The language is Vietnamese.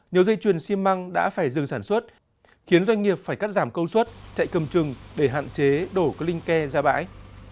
nhiều dây chuyền xi măng đã phải dừng sản xuất khiến doanh nghiệp phải cắt giảm công suất chạy cầm trừng để hạn chế đổ linh ke ra bãi